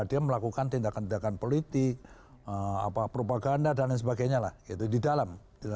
dia melakukan tindakan tindakan politik propaganda dan lain sebagainya lah gitu di dalam